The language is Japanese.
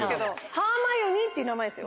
ハーマイオニーっていう名前ですよ。